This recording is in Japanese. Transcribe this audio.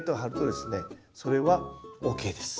それはＯＫです。